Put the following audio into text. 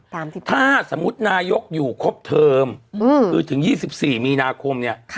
ถ้าสมมุตินายกอยู่ครบเทอมคือถึง๒๔มีนาคมเนี่ย